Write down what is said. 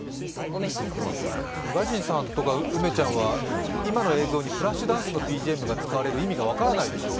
宇賀神さんとか梅ちゃんは今の映像に「フラッシュダンス」のＢＧＭが使われる意味が分からないでしょ。